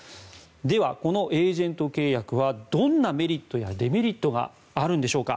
では、このエージェント契約はどんなメリットやデメリットがあるんでしょうか。